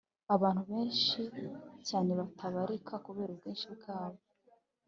Abantu benshi cyane batabarika kubera ubwinshi bwabo